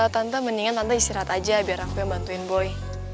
tante mendingan tante istirahat aja biar aku yang bantuin boy